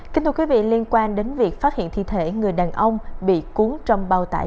kính thưa quý vị liên quan đến việc phát hiện thi thể người đàn ông bị cuốn trong bao tải